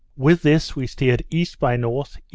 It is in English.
With this we steered E. by N., E.